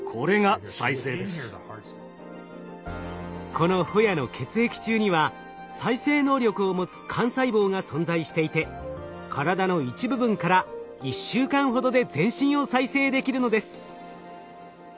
このホヤの血液中には再生能力を持つ幹細胞が存在していて体の一部分から１週間ほどで全身を再生できるのです。